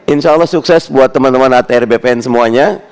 insya allah sukses buat teman teman atr bpn semuanya